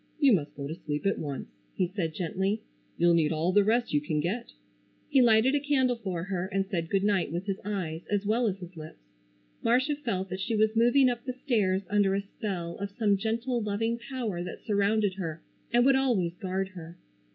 "You must go to sleep at once," he said gently. "You'll need all the rest you can get." He lighted a candle for her and said good night with his eyes as well as his lips. Marcia felt that she was moving up the stairs under a spell of some gentle loving power that surrounded her and would always guard her.